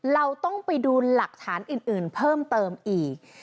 เราต้องไปดูหลักฐานอื่นเพิ่มเติมอีก